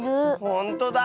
ほんとだ！